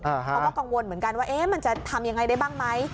เขาก็กังวลเหมือนกันว่ามันจะทำยังไงได้บ้างไหม